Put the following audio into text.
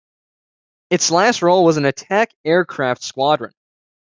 Its last role was as an attack aircraft squadron.